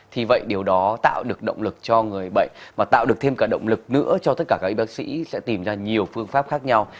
thì vậy điều đó tạo được động lực cho người bệnh và tạo được thêm cả động lực nữa cho tất cả các y bác sĩ sẽ tìm ra nhiều phương pháp khác nhau